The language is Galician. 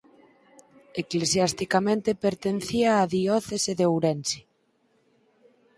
Eclesiasticamente pertencía á diocese de Ourense.